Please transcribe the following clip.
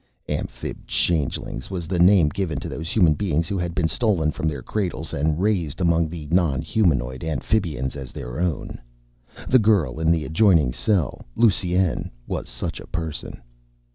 "Amphib changelings" was the name given to those human beings who had been stolen from their cradles and raised among the non humanoid Amphibians as their own. The girl in the adjoining cell, Lusine, was such a person.